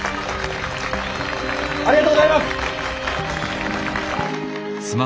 ありがとうございます！